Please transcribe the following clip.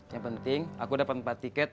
yang penting aku dapat empat tiket